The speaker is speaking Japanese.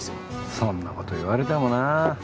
そんなこと言われてもな。